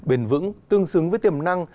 bền vững tương xứng với tiềm năng